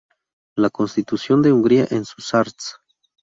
La Constitución de Hungría en sus arts.